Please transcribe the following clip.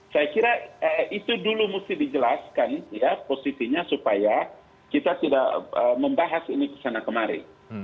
saya kira itu dulu mesti dijelaskan ya posisinya supaya kita tidak membahas ini kesana kemari